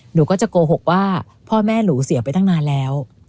หนูก็จะโกหกว่าพ่อแม่หนูเสียไปตั้งนานแล้ว